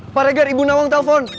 pak regar ibu nawang telepon